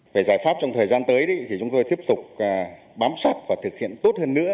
về giải pháp trong thời gian tới thì chúng tôi tiếp tục bám sát và thực hiện tốt hơn nữa